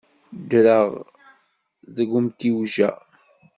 Ddreɣ deg umtiweg-a.